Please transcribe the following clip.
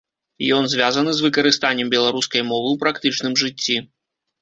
Ён звязаны з выкарыстаннем беларускай мовы ў практычным жыцці.